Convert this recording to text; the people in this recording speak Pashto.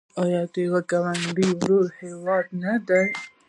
آیا د یو ګاونډي او ورور هیواد نه دی؟